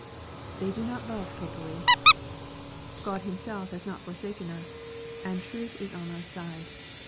They do not love Popery. God Himself has not forsaken us, and truth is on our side.